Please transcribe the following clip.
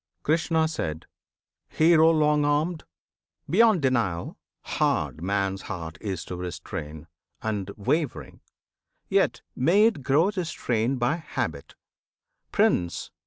Krishna. Hero long armed! beyond denial, hard Man's heart is to restrain, and wavering; Yet may it grow restrained by habit, Prince!